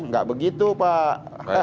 nggak begitu pak